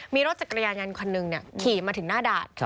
มีรถจักรยานยนต์คันหนึ่งขี่มาถึงหน้าด่าน